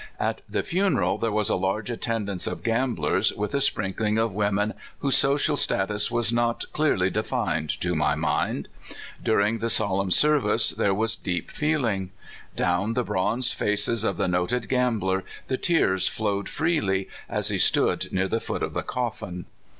At the funeral there was a large attendance of gamblers, with a sprinkling of women whose social status was not clearly defined to my rnind. During the solemn service there was deep feeling. Down the bronzed face of the noted gambler the tears flowed freely, as he stood near the foot of the coffin.